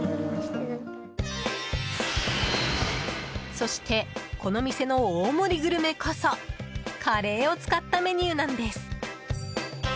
そして、この店の大盛りグルメこそカレーを使ったメニューなんです。